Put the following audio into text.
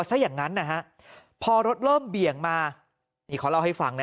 ซะอย่างนั้นนะฮะพอรถเริ่มเบี่ยงมานี่เขาเล่าให้ฟังนะ